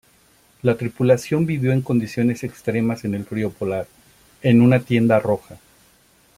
La tripulación vivió en condiciones extremas en el frío polar, en una tienda roja.